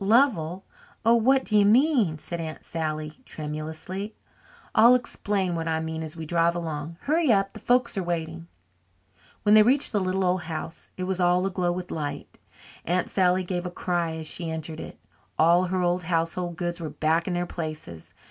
"Lovell, oh, what do you mean?" said Aunt Sally tremulously. "I'll explain what I mean as we drive along. Hurry up the folks are waiting." When they reached the little old house, it was all aglow with light. Aunt Sally gave a cry as she entered it. All her old household goods were back in their places.